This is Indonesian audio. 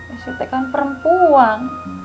esi kan perempuan